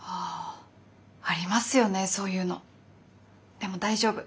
でも大丈夫。